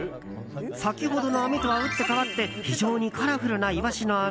先ほどの網とは打って変わって非常にカラフルなイワシの網。